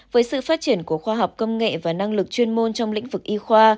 với sự phát triển của khoa học công nghệ và năng lực chuyên môn trong lĩnh vực y khoa